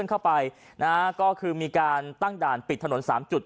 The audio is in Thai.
เข้าไปนะฮะก็คือมีการตั้งด่านปิดถนนสามจุด